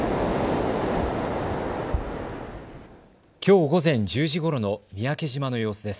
きょう午前１０時ごろの三宅島の様子です。